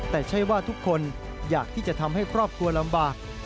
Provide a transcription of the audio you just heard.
แต่ใช่ว่าทุกคนอยากที่จะทำให้ครอบครัวลำบาก